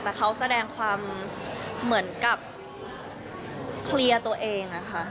แต่เขาแสดงความเหมือนกับเคลียร์ตัวเองอะค่ะ